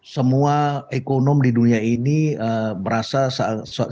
semua ekonom di dunia ini merasa sangat